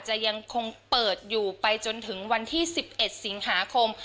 จะยังคงเปิดอยู่ไปจนถึงวันที่๑๑สิงหาคม